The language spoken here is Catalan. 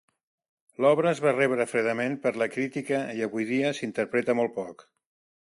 L'obra es va rebre fredament per la crítica i avui dia s'interpreta molt poc.